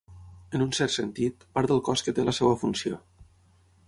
En un cert sentit, part del cos que té la seva funció.